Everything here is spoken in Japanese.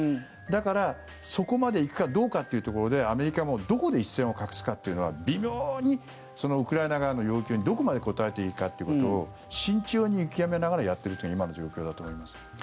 だから、そこまでいくかどうかっていうところでアメリカもどこで一線を画すかというのは微妙にウクライナ側の要求にどこまで応えていいかということを慎重に見極めながらやっているというのが今の状況だと思います。